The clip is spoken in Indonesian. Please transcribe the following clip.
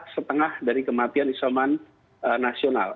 setengah dari kematian isoman nasional